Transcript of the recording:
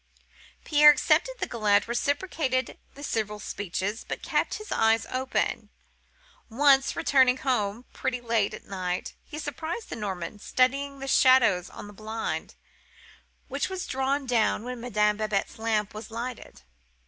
Pierre accepted the galette, reciprocated the civil speeches, but kept his eyes open. Once, returning home pretty late at night, he surprised the Norman studying the shadows on the blind, which was drawn down when Madame Babette's lamp was lighted.